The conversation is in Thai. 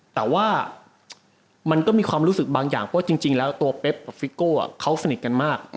แต่ว่ามันก็มีความรู้สึกบางอย่างเพราะจริงแล้วตัวเป๊บกับฟิโก้เขาสนิทกันมาก